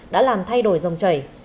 đã làm thay đổi dòng chảy